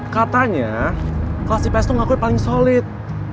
katanya kelas ips tuh ngakuin paling solid